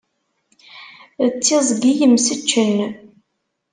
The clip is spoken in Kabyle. D tiẓgi yemseččen.